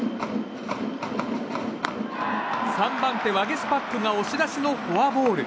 ３番手、ワゲスパックが押し出しのフォアボール。